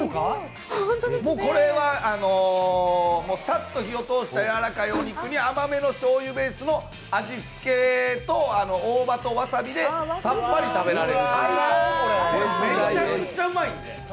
これはさっと火を通した柔らかいお肉に甘めのしょうゆベースの味付けと大葉とわさびでさっぱり食べられるという。